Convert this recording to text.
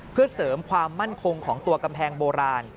เพื่อเสริมความมั่นคงของตัวกำแพงโบราณ